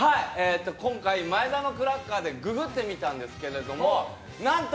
今回、前田のクラッカーでググってみたんですけれども何と！